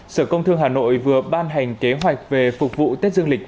sở công thương hà nội vừa ban hành kế hoạch về phục vụ tết dương lịch